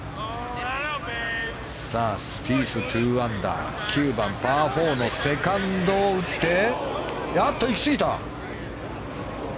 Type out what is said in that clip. スピース、２アンダー９番、パー４のセカンドを打って行き過ぎた！